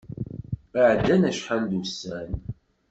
Ɛeddan acḥal d ussan.